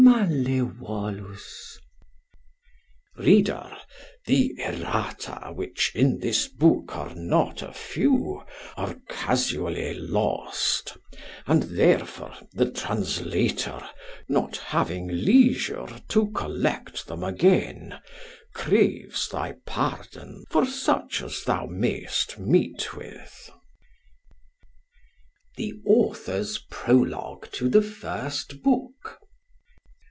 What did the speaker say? Malevolus. (Reader, the Errata, which in this book are not a few, are casually lost; and therefore the Translator, not having leisure to collect them again, craves thy pardon for such as thou may'st meet with.) [Illustration: prologue1] The Author's Prologue to the First Book.